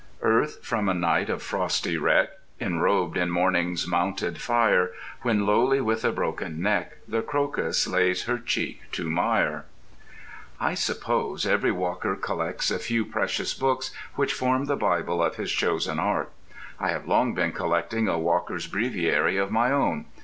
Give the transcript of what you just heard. Earth, from a night of frosty wreck, Enrobed in morning's mounted fire, When lowly, with a broken neck, The crocus lays her cheek to mire. I suppose every walker collects a few precious books which form the bible of his chosen art. I have long been collecting a Walker's Breviary of my own.